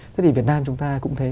thế thì việt nam chúng ta cũng thế